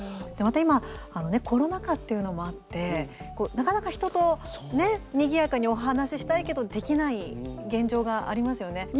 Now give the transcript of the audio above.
また今コロナ禍っていうのもあってなかなか人とねにぎやかにお話ししたいけどできない現状がありますよね。